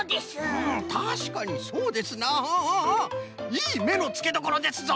いいめのつけどころですぞ！